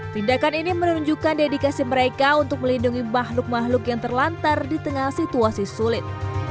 tindakan ini menunjukkan dedikasi mereka untuk melindungi makhluk makhluk yang terlantar di tengah situasi sulit